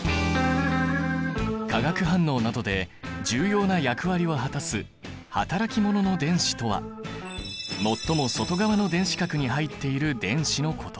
化学反応などで重要な役割を果たす働き者の電子とは最も外側の電子殻に入っている電子のこと。